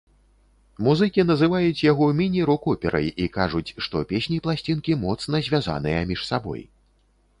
Музыкі называюць яго міні-рок-операй і кажуць, што песні пласцінкі моцна звязаныя між сабой.